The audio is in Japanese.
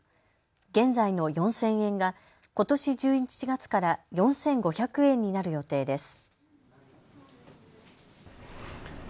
現在の４０００円がことし１１月から４５００円になる予定です。